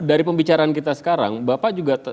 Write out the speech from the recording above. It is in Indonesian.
dari pembicaraan kita sekarang bapak juga